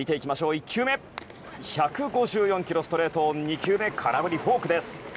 １球目、１５４キロのストレート２球目はフォークで空振り。